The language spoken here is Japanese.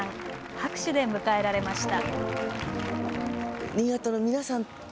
拍手で迎えられました。